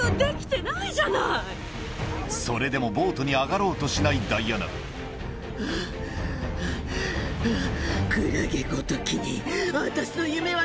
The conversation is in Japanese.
それでもボートに上がろうとしないダイアナはぁはぁはぁ。